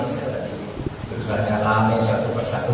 saya tadi berusaha nyalami satu persatu